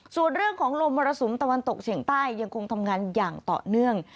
ส่วนเรื่องของลมมรสุมตะวันตกเฉียงใต้ยังคงทำงานอย่างต่อเนื่อง